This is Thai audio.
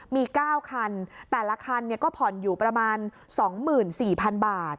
มีเก้าคันแต่ละคันเนี่ยก็ผ่อนอยู่ประมาณสองหมื่นสี่พันบาท